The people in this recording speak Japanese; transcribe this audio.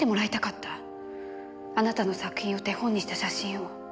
あなたの作品を手本にした写真を。